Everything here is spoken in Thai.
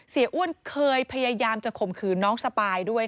อ้วนเคยพยายามจะข่มขืนน้องสปายด้วย